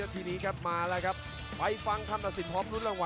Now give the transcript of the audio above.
ทุกผู้ชมครับมวยกู้แรกเดือด